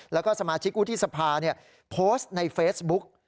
แล้วก็สมาชิกวุฒิสภาโพสต์ในเฟซบุ๊ก